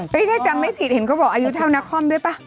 ไม่ใช่จำไม่ผิดเขาบอกอายุเท่านักค่ำด้วยป่ะ